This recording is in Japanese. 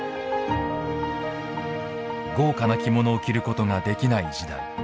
豪華な着物を着ることができない時代。